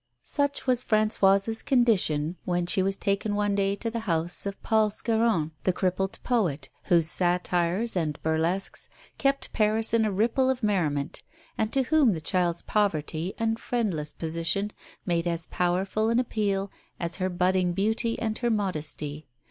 Such was Françoise's condition when she was taken one day to the house of Paul Scarron, the crippled poet, whose satires and burlesques kept Paris in a ripple of merriment, and to whom the child's poverty and friendless position made as powerful an appeal as her budding beauty and her modesty.